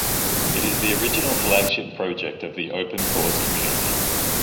It is the original flagship project of the OpenCores community.